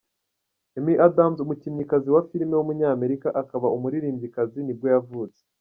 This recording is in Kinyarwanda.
Amy Adams, umukinnyikazi wa filime w’umunyamerika, akaba n’umuririmbyikazi nibwo yavutse.